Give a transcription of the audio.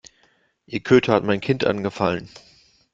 Ihr Köter hat mein Kind angefallen.